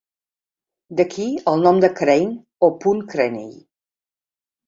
D'aquí el nom de "Crayne" o "Punt Craney".